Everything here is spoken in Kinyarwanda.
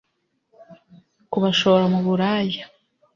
kubashora mu buraya